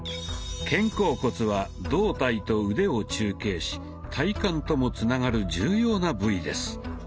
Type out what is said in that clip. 肩甲骨は胴体と腕を中継し体幹ともつながる重要な部位です。